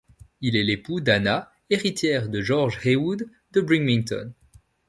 Il est l'époux d'Hannah, héritière de George Heywood, de Brimington.